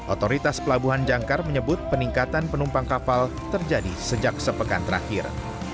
otoritas pelabuhan jangkar menyebut peningkatan penumpang kapal terjadi sejak sepekan terakhir